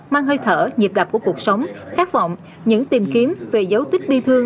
mang hơi thở nhịp đập của cuộc sống khát vọng những tìm kiếm về dấu tích bi thương